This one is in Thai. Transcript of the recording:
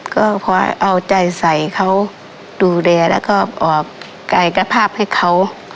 ก็เพราะเอาใจใส่เขาดูแลแล้วก็ออกกายกภาพให้เขา